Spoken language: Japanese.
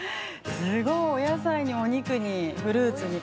すごい。お野菜にお肉にフルーツに。